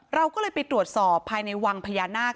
เราก็เลยไปตรวจสอบภายในวังพญานาค